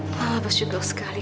mama bersyukur sekali